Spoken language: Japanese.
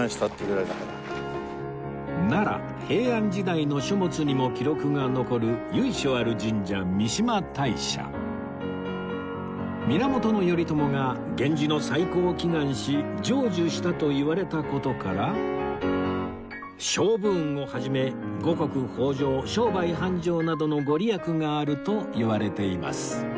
奈良平安時代の書物にも記録が残る由緒ある神社源頼朝が源氏の再興を祈願し成就したといわれた事から勝負運を始め五穀豊穣商売繁盛などの御利益があるといわれています